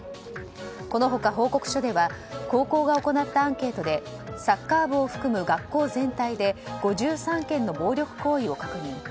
この他、報告書では高校が行ったアンケートでサッカー部を含む学校全体で５３件の暴力行為を確認。